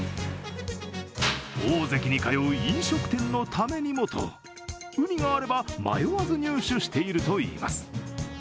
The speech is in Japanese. オオゼキに通う飲食店のためにもとウニがあれば、迷わず入手しているといいます。